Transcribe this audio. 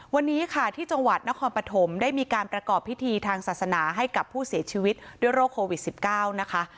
วันนี้ค่ะที่จังหวัดนครปฐมได้มีการประกอบพิธีทางศาสนาให้กับผู้เสียชีวิตด้วยโรคโควิด๑๙นะคะ